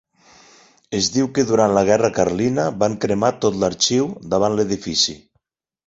Es diu que durant la guerra carlina van cremar tot l'arxiu davant l'edifici.